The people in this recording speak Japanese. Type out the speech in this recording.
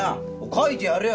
書いてやるよ！